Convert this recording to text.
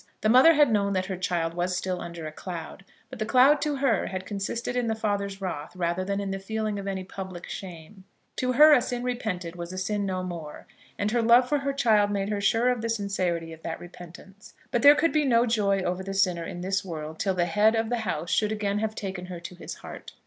The mother had known that her child was still under a cloud, but the cloud to her had consisted in the father's wrath rather than in the feeling of any public shame. To her a sin repented was a sin no more, and her love for her child made her sure of the sincerity of that repentance. But there could be no joy over the sinner in this world till the head of the house should again have taken her to his heart.